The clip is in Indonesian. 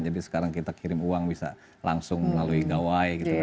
jadi sekarang kita kirim uang bisa langsung melalui gawai gitu